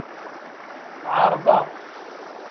Ɛeṛḍeɣ.